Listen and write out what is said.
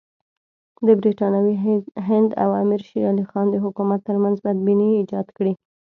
د برټانوي هند او امیر شېر علي خان د حکومت ترمنځ بدبیني ایجاد کړي.